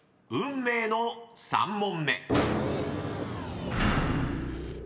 運命の３問目］